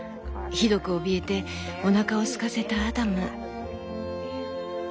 ひどくおびえておなかをすかせたアダム」。